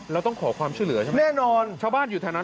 เราต้องขอความช่วยเหลือใช่ไหมแน่นอนชาวบ้านอยู่แถวนั้น